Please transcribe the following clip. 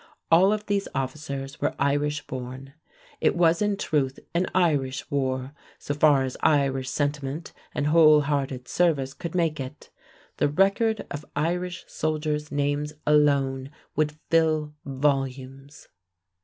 All of these officers were Irish born. It was in truth an Irish war, so far as Irish sentiment and whole hearted service could make it. The record of Irish soldiers' names alone would fill volumes.